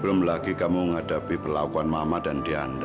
belum lagi kamu menghadapi perlakuan mama dan dianda